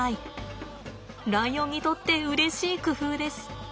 ライオンにとってうれしい工夫です。